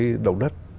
cái động đất